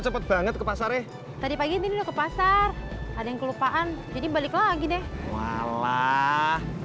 cepet banget ke pasarnya tadi pagi ini udah ke pasar ada yang kelupaan jadi balik lagi deh walah